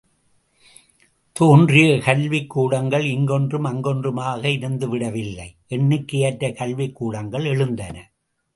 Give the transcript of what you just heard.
தோன்றிய கல்விக்கூடங்கள் இங்கொன்றும் அங்கொன்றுமாக இருந்துவிடவில்லை, எண்ணிக்கையற்ற கல்விக் கூடங்கள் எழுந்தன.